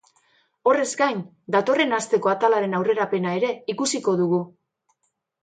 Horrez gain, datorren asteko atalaren aurrerapena ere ikusiko dugu.